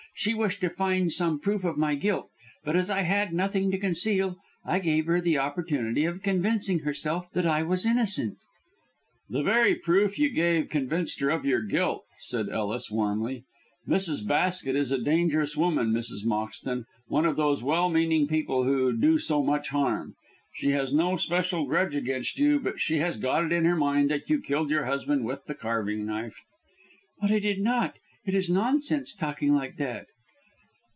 She wished to find some proof of my guilt, but as I had nothing to conceal I gave her the opportunity of convincing herself that I was innocent." "The very proof you gave convinced her of your guilt," said Ellis, warmly. "Mrs. Basket is a dangerous woman, Mrs. Moxton; one of those well meaning people who do so much harm. She has no special grudge against you, but she has got it into her mind that you killed your husband with the carving knife." "But I did not. It is nonsense talking like that!"